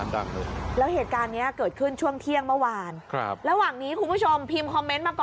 จับได้ภายในกี่ชั่วโมง